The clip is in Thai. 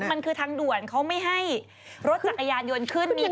มันคือทางด่วนเขาไม่ให้รถจักรยานยนต์ขึ้น